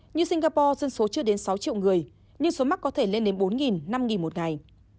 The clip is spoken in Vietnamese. như singapore dân số chưa đến sáu triệu người nhưng số mắc có thể lên đến bốn năm một ngày